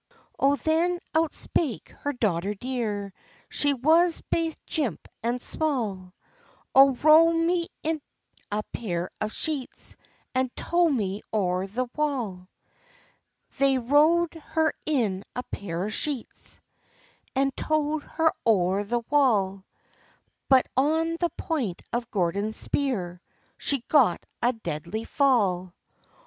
Oh, then out spake her daughter dear, She was baith jimp and small: "Oh, row me in a pair of sheets, And tow me o'er the wall." They row'd her in a pair of sheets, And tow'd her o'er the wall; But on the point of Gordon's spear She got a deadly fall.